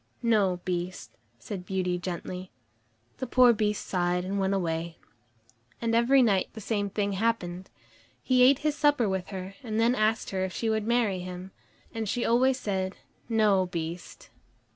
"No, Beast," said Beauty gently. The poor Beast sighed and went away. And every night the same thing happened. He ate his supper with her, and then asked her if she would marry him. And she always said, "No, Beast."